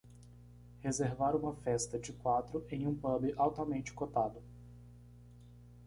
reservar uma festa de quatro em um pub altamente cotado